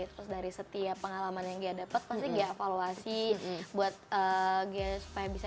terus dari setiap pengalaman yang ghea dapat pasti ghea evaluasi buat ghea supaya bisa